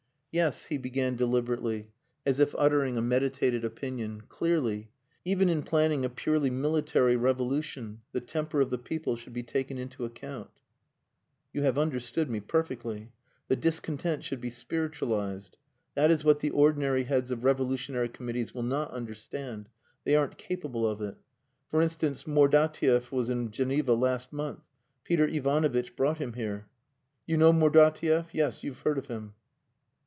"Yes," he began deliberately, as if uttering a meditated opinion. "Clearly. Even in planning a purely military revolution the temper of the people should be taken into account." "You have understood me perfectly. The discontent should be spiritualized. That is what the ordinary heads of revolutionary committees will not understand. They aren't capable of it. For instance, Mordatiev was in Geneva last month. Peter Ivanovitch brought him here. You know Mordatiev? Well, yes you have heard of him.